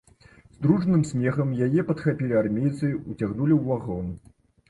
З дружным смехам яе падхапілі армейцы, уцягнулі ў вагон.